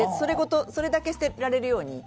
それだけ捨てられるように。